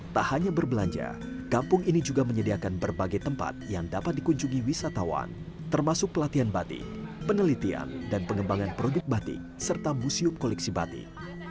tak hanya berbelanja kampung ini juga menyediakan berbagai tempat yang dapat dikunjungi wisatawan termasuk pelatihan batik penelitian dan pengembangan produk batik serta museum koleksi batik